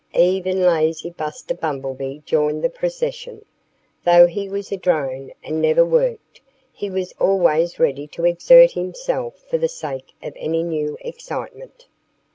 Even lazy Buster Bumblebee joined the procession. Though he was a drone, and never worked, he was always ready to exert himself for the sake of any new excitement.